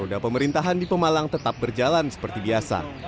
roda pemerintahan di pemalang tetap berjalan seperti biasa